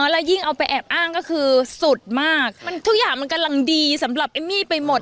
แล้วยิ่งเอาไปแอบอ้างก็คือสุดมากมันทุกอย่างมันกำลังดีสำหรับเอมมี่ไปหมด